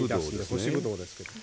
干しぶどうですけど。